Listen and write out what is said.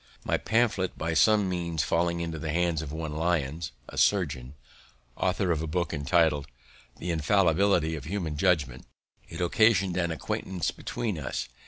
My pamphlet by some means falling into the hands of one Lyons, a surgeon, author of a book entitled "The Infallibility of Human Judgment," it occasioned an acquaintance between us.